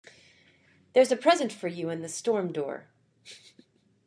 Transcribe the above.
There's a present for you in the storm door